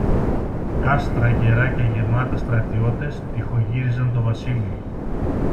κάστρα γερά και γεμάτα στρατιώτες τειχογύριζαν το βασίλειο.